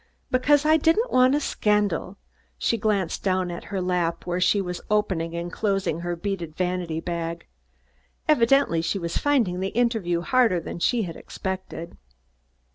"Because I didn't want a scandal." She glanced down at her lap where she was opening and closing a beaded vanity bag. Evidently she was finding the interview harder than she had expected.